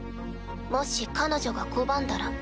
もし彼女が拒んだら？